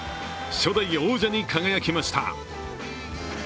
初代王者に輝きました。